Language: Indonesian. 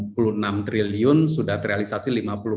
puluh enam triliun sudah realisasi